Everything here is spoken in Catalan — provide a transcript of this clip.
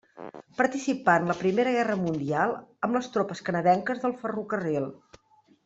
Participà en la Primera Guerra Mundial amb les tropes canadenques del ferrocarril.